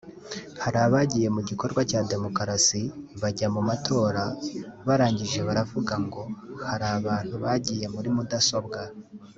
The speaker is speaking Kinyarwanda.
hari abagiye mu gikorwa cya demokarasi bajya mu matora barangije baravuga […] ngo hari abantu bagiye muri mudasobwa